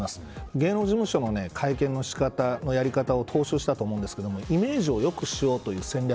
芸能事務所の会見のやり方を踏襲したと思うんですがイメージを良くしようという戦略